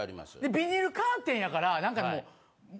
ビニールカーテンやからなんかもう。